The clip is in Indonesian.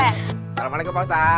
assalamualaikum pak ustadz